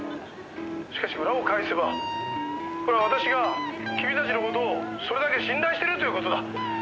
しかし裏を返せばこれは私が君たちの事をそれだけ信頼してるという事だ」